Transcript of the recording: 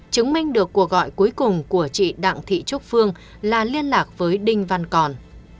chứng minh được cuộc gọi cuối cùng của chị đặng thị trúc phương là liên lạc với đinh văn còn